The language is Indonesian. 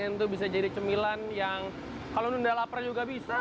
itu bisa jadi cemilan yang kalau nunda lapar juga bisa